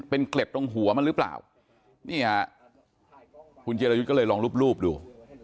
เป็นเกล็ดตรงหัวมันหรือเปล่านี่ฮะคุณเจรยุทธ์ก็เลยลองรูปดู